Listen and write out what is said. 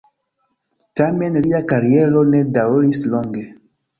Tamen lia kariero ne daŭris longe.